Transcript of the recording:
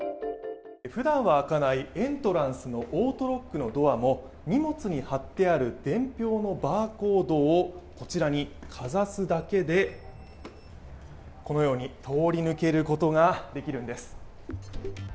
ふだんは開かないエントランスのオートロックのドアも荷物に貼ってある伝票のバーコードをこちらにかざすだけでこのように通り抜けることができるんです。